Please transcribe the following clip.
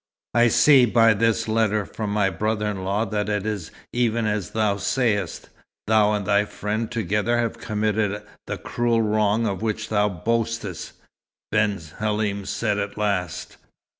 "I see by this letter from my brother in law that it is even as thou sayest; thou and thy friend together have committed the cruel wrong of which thou boastest," Ben Halim said at last.